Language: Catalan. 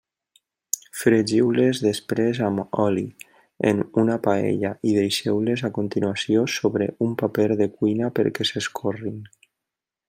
Fregiu-les després amb oli, en una paella, i deixeu-les a continuació sobre un paper de cuina perquè s'escorrin.